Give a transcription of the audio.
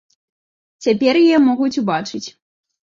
Цяпер яе могуць убачыць.